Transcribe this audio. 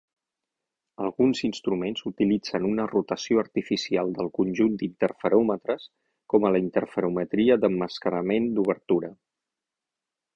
Alguns instruments utilitzen una rotació artificial del conjunt d'interferòmetres, com en la interferometria d'emmascarament d'obertura.